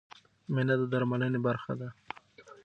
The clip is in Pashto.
مینه د درملنې برخه ده.